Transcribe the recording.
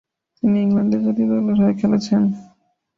তিনি ইংল্যান্ড জাতীয় দলের হয়ে খেলেছেন।